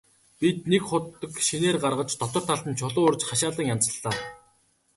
Бид нэг худаг шинээр гаргаж, дотор талд нь чулуу өрж хашаалан янзаллаа.